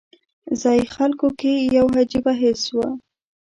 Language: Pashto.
ځایي خلکو کې یو عجیبه حس و.